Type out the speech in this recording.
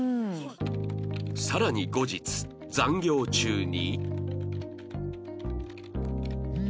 さらに後日残業中に